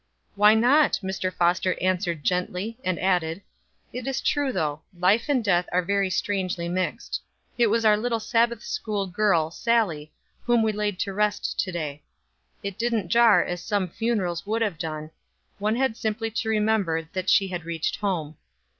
"Why not?" Mr. Foster answered gently, and added: "It is true though; life and death are very strangely mixed. It was our little Sabbath school girl, Sallie, whom we laid to rest to day. It didn't jar as some funerals would have done; one had simply to remember that she had reached home.